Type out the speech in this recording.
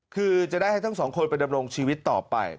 คือจะได้ให้ทั้งสองคนไปดำรงชีวิตต่อไป